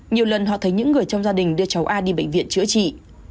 nhiều lần họ thấy những người trong gia đình đưa cháu a đi bệnh viện chữa trị